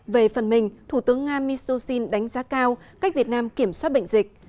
về phần mình thủ tướng nga mishustin đánh giá cao cách việt nam kiểm soát bệnh dịch